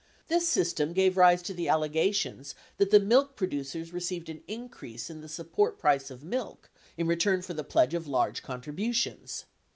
This system gave rise to the allegations that the milk producers received an increase in the support price of milk in return for the pledge of large contributions.